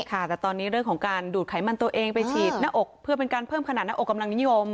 แต่ตอนนี้เรื่องของการดูดไขมันตัวเองไปฉีดหน้าอกเพื่อเป็นการเพิ่มขนาดหน้าอกกำลังนิยม